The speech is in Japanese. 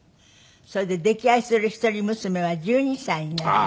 それで溺愛する一人娘は１２歳になりました。